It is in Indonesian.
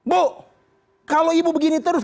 bu kalau ibu begini terus